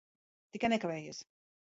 Tikai nekavējies.